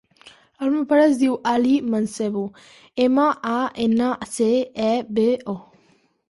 El meu pare es diu Ali Mancebo: ema, a, ena, ce, e, be, o.